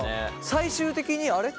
最終的にあれ？